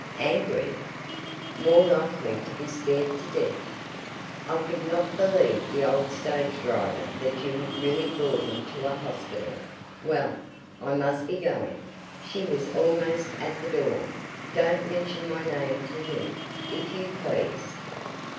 "Angry? More likely to be scared to death. I could not believe the old stage driver that you had really brought him to a hospital. Well, I must be going." She was almost at the door. "Don't mention my name to him, if you please."